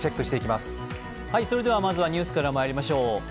まずはニュースからまいりましょう。